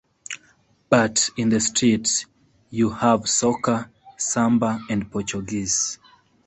But in the streets, you have soccer, samba, and Portuguese.